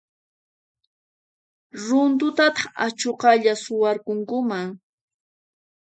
Runtutataq achuqalla suwarqukunman.